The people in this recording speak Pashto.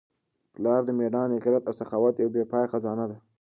پلار د مېړانې، غیرت او سخاوت یوه بې پایه خزانه ده.